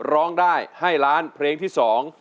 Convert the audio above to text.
ร้องได้ให้ล้านเพลงที่สอง